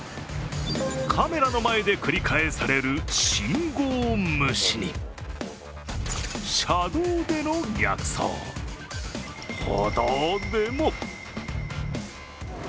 カメラの前で繰り返される信号無視に車道での逆走歩道でも。